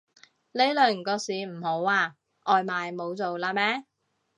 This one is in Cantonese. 呢輪個市唔好啊？外賣冇做喇咩